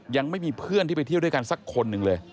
ยังไม่มีเพื่อนที่ไปเที่ยวด้วยกันสักคนหนึ่งเลย